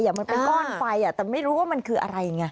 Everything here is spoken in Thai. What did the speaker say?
มันเป็นก้อนไฟแต่ไม่รู้ว่ามันคืออะไรไง